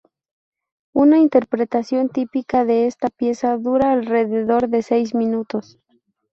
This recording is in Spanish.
Una interpretación típica de esta pieza dura alrededor de seis minutos.